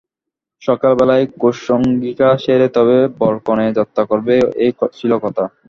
সকালবেলায় কুশণ্ডিকা সেরে তবে বরকনে যাত্রা করবে এই ছিল কথা।